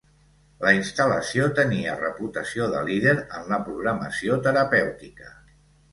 La instal·lació tenia reputació de líder en la programació terapèutica.